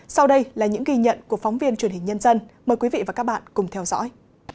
sau đây là những ghi nhận của phóng viên truyền hình nhân dân mời quý vị và các bạn cùng theo dõi